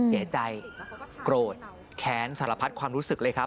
เสียใจโกรธแค้นสารพัดความรู้สึกเลยครับ